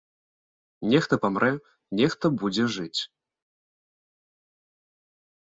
Нехта памрэ, нехта будзе жыць.